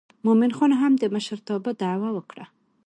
مومن خان هم د مشرتابه دعوه وکړه.